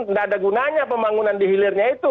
tidak ada gunanya pembangunan di hilirnya itu